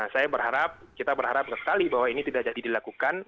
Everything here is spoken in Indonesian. saya berharap kita berharap sekali bahwa ini tidak jadi dilakukan